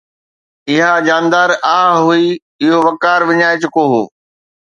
اها جاندار آه هئي، اهو وقار وڃائي چڪو هو